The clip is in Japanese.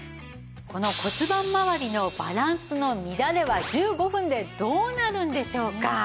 この骨盤まわりのバランスの乱れは１５分でどうなるんでしょうか？